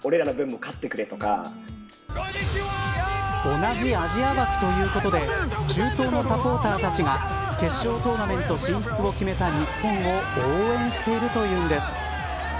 同じアジア枠ということで中東のサポーターたちが決勝トーナメント進出を決めた日本を応援しているというんです。